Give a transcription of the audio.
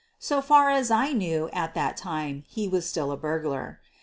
So far as I knew at that time he was still a burglar.